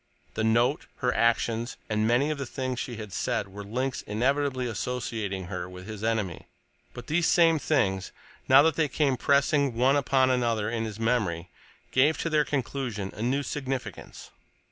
The note, her actions, and many of the things she had said were links inevitably associating her with his enemy, but these same things, now that they came pressing one upon another in his memory, gave to their collusion a new significance.